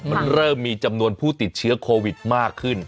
มันเริ่มมีจำนวนผู้ติดเชื้อโควิดมากขึ้น